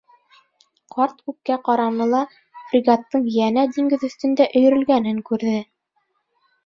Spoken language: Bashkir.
Ҡарт күккә ҡараны ла фрегаттың йәнә диңгеҙ өҫтөндә өйөрөлгәнен күрҙе.